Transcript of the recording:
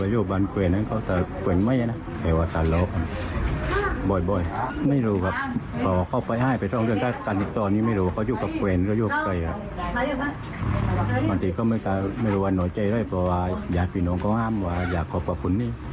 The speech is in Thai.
อยากให้น้องก็ห้ามว่าอยากขอบพระคุณนี่